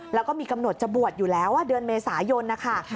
แล้วก็มีกำหนดจะบวชอยู่แล้วเดือนเมษายนนะคะ